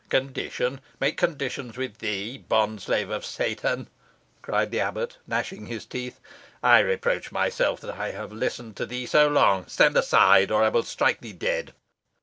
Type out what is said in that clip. "Condition! make conditions with thee, bond slave of Satan!" cried the abbot, gnashing his teeth. "I reproach myself that I have listened to thee so long. Stand aside, or I will strike thee dead."